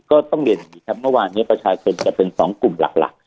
ก็ต้องเรียนอย่างนี้ครับเมื่อวานนี้ประชาชนจะเป็น๒กลุ่มหลัก